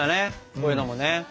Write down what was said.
こういうのもね。